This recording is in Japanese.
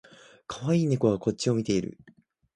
かわいい猫がこっちを見ている